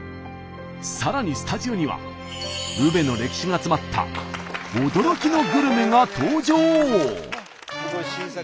さらにスタジオには宇部の歴史が詰まった驚きのグルメが登場。